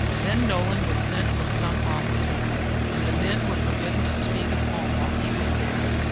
Then Nolan was sent with some officer, and the men were forbidden to speak of home while he was there.